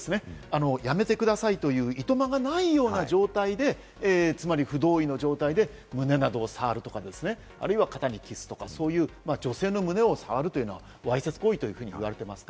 やめてくださいという、いとまがないような状態で、つまり不同意の状態で胸などを触るとか、肩にキスとか、そういう女性の胸を触るというのは、わいせつ行為というふうに言われています。